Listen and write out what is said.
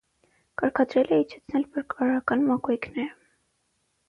Կարգադրել է իջեցնել փրկարարական մակույկները։